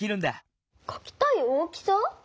かきたい大きさ？